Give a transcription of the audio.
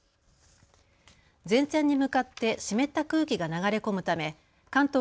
前線に向かって湿った空気が流れ込むため関東